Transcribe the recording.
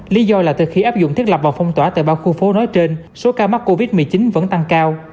lý do là từ khi áp dụng thiết lập và phong tỏa tại ba khu phố nói trên số ca mắc covid một mươi chín vẫn tăng cao